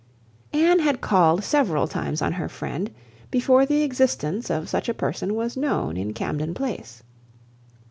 Anne had called several times on her friend, before the existence of such a person was known in Camden Place.